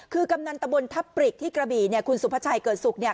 คือกำนันตะบนทัพปริกที่กระบี่เนี่ยคุณสุภาชัยเกิดศุกร์เนี่ย